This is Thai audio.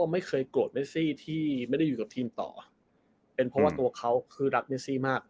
ไม่เคยโกรธเมซี่ที่ไม่ได้อยู่กับทีมต่อเป็นเพราะว่าตัวเขาคือรักเมซี่มาก